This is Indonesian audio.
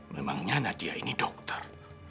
memangnya nadia ini dokter